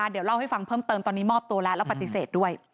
เดี๋ยวเล่าให้ฟังเพิ่มเติมตอนนี้มอบตัวแล้วแล้วปฏิเสธด้วย